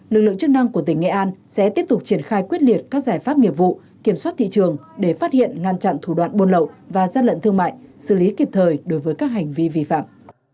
lực lượng chức năng của tỉnh nghệ an sẽ tiếp tục triển khai quyết liệt các giải pháp nghiệp vụ kiểm soát thị trường để phát hiện ngăn chặn thủ đoạn buôn lậu và gian lận thương mại xử lý kịp thời đối với các hành vi vi phạm